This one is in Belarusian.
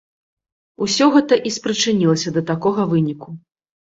Усё гэта і спрычынілася да такога выніку.